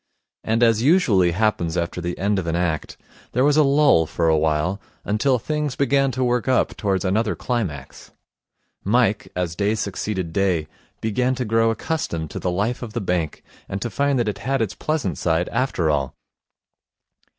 And, as usually happens after the end of an act, there was a lull for a while until things began to work up towards another climax. Mike, as day succeeded day, began to grow accustomed to the life of the bank, and to find that it had its pleasant side after all.